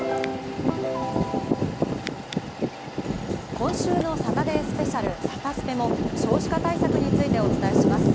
今週のサタデースペシャル、サタスペも、少子化対策についてお伝えします。